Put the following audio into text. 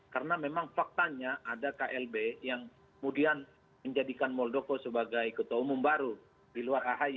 karena memang faktanya ada klb yang kemudian menjadikan moldoko sebagai ketua umum baru di luar ahy